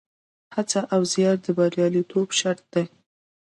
هڅه او زیار د بریالیتوب شرط دی.